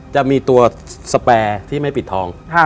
จะมีตัวสแปรที่ไม่ปิดทอง